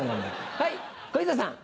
はい小遊三さん。